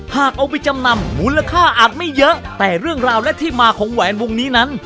หากเอาไปจำนำมูลค่าอาจไม่เยอะแต่เรื่องราวและที่มาของแหวนวงนี้นั้น